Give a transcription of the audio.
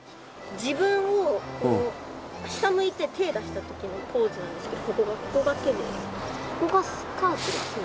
自分をこう下向いて手出した時のポーズなんですけどここが手でここがスカートです。